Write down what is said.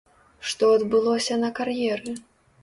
Што адбылося на кар'еры?